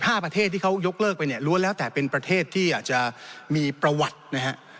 ประเทศที่เขายกเลิกไปเนี่ยล้วนแล้วแต่เป็นประเทศที่อาจจะมีประวัตินะฮะ